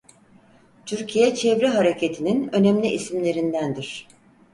Türkiye çevre hareketinin önemli isimlerindendir.